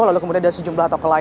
lalu kemudian ada sejumlah